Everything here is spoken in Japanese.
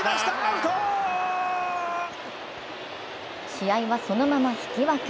試合はそのまま引き分け。